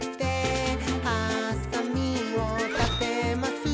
「はさみをたてます」